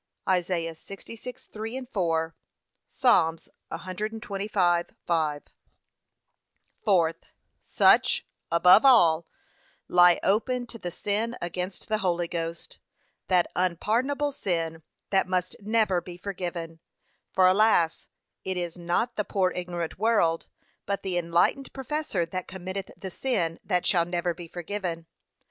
(Isa. 66:3, 4; Psa. 125:5) Fourth, Such, above all, lie open to the sin against the Holy Ghost, that unpardonable sin, that must never be forgiven. For alas, it is not the poor ignorant world, but the enlightened professor that committeth the sin that shall never be forgiven.